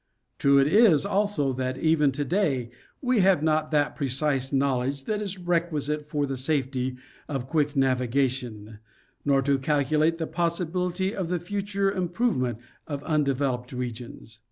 'True it is, also, that even to day we have not that precise knowledge that is requisite for the safety of quick navigation, nor to calculate the Geography of the Land. 39 possibility of the future improvement of undeveloped regions.